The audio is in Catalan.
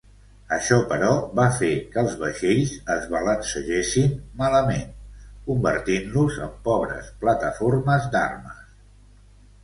Això, però, va fer que els vaixells es balancegessin malament, convertint-los en pobres plataformes d'armes.